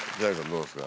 どうですか？